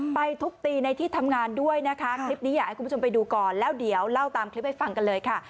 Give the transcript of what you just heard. ทุบตีในที่ทำงานด้วยนะคะคลิปนี้อยากให้คุณผู้ชมไปดูก่อนแล้วเดี๋ยวเล่าตามคลิปให้ฟังกันเลยค่ะ